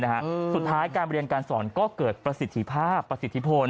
สุดท้ายการเรียนการสอนก็เกิดประสิทธิภาพประสิทธิพล